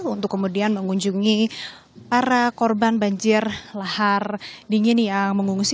untuk kemudian mengunjungi para korban banjir lahar dingin yang mengungsi